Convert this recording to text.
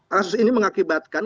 kasus ini mengakibatkan